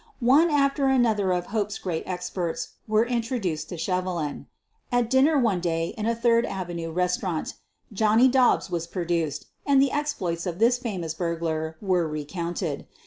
One after another of Hope's great experts were intro duced to Shevelin. At dinner one day in a Third Avenue restaurant, Johnny Dobbs was produced, and the exploits of this famous burglar were re counted.